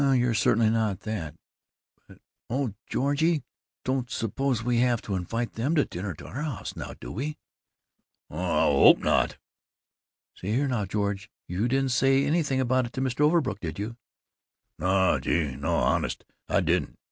"Well, you're certainly not that but Oh, Georgie, you don't suppose we have to invite them to dinner at our house now, do we?" "Ouch! Gaw, I hope not!" "See here, now, George! You didn't say anything about it to Mr. Overbrook, did you?" "No! Gee! No! Honest, I didn't!